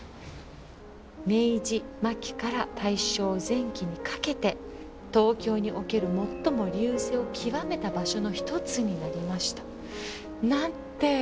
「明治末期から大正前期にかけて東京における最も隆盛を極めた場所の一つになりました」。なんて変わったんだろう？